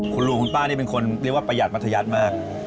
คุณลุงคุณป้านี่เป็นคนเรียกว่าประหยัดมัธยัติมาก